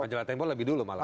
majalah tembo lebih dulu malah